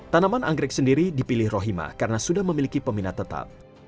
tanaman anggrek sendiri dipilih rohima karena sudah memiliki peminat tetap